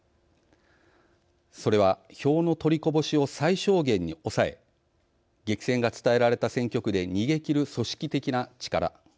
それは票の取りこぼしを最小限に抑え激戦が伝えられた選挙区で逃げ切る組織的な力。